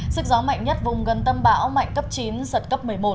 sức gió mạnh nhất vùng gần tâm bão mạnh cấp chín giật cấp một mươi một